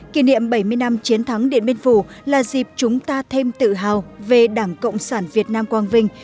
kỷ niệm bảy mươi năm chiến thắng điện biên phủ là dịp chúng ta thêm tự hào về đảng cộng sản việt nam quang vinh